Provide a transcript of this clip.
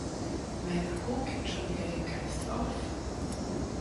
Mein Akku gibt schon wieder den Geist auf?